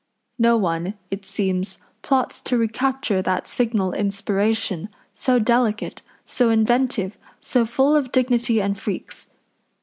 No one, it seems, plots to recapture that signal inspiration, so delicate, so inventive, so full of dignity and freaks.